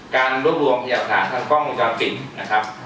การรวบรวมทีหลักฐานทางกล้องมุมจำกลิ่น